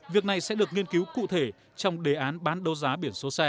việc này sẽ được nghiên cứu cụ thể trong đề án bán đấu giá biển số xe